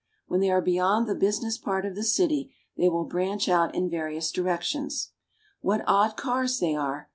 When they are beyond the business part of the city they will branch out in various directions. What odd cars they are